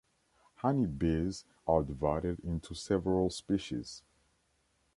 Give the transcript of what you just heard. Honey bees are divided into several species.